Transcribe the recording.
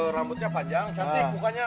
rambutnya panjang cantik mukanya